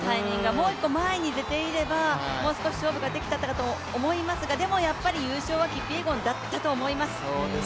もう一個前に出ていれば、もう少し勝負ができたかと思いますが、でもやっぱり優勝はキピエゴンだったと思います。